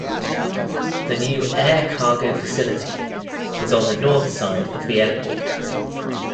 The new air cargo facility is on the north side of the airport.